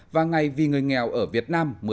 và ngày vì người nghèo ở việt nam